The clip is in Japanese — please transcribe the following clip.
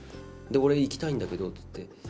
俺行きたいんだけどって言って。